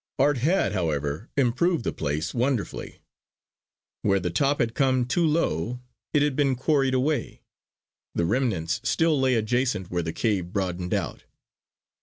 Art had, however improved the place wonderfully. Where the top had come too low it had been quarried away; the remnants still lay adjacent where the cave broadened out.